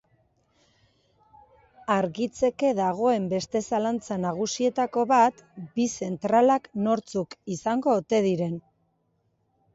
Argitzeke dagoen beste zalantza nagusietako bat bi zentralak nortzuk izango ote diren.